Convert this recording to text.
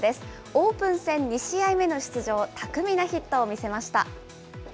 オープン戦２試合目の出場、巧みなヒットを見せました。